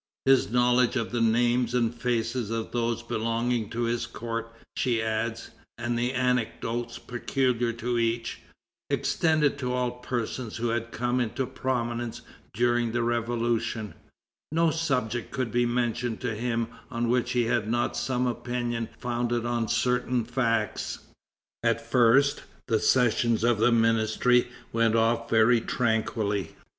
"His knowledge of the names and faces of those belonging to his court," she adds, "and the anecdotes peculiar to each, extended to all persons who had come into prominence during the Revolution; no subject could be mentioned to him on which he had not some opinion founded on certain facts." At first, the sessions of the ministry went off very tranquilly.